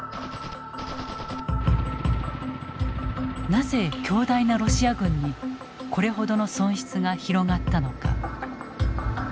なぜ強大なロシア軍にこれほどの損失が広がったのか。